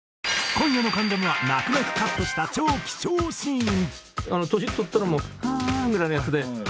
今夜の『関ジャム』は泣く泣くカットした超貴重シーン。